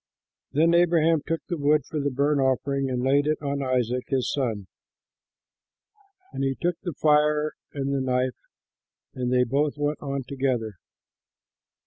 Then Abraham took the wood for the burnt offering and laid it on Isaac, his son. And he took the fire and the knife, and they both went on together.